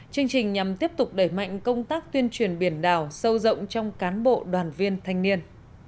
chương trình nhằm tiếp tục đẩy mạnh công tác tuyên truyền biển đảo sâu rộng trong cán bộ đoàn viên thanh niên